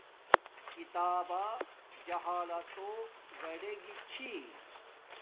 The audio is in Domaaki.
کتاب با جہالتو گاڈیگی چھی